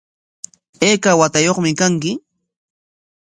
¿Ayka watayuqmi kanki?